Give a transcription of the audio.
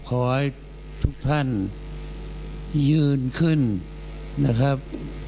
ขอให้ทุกท่านยืนขึ้นนะครับ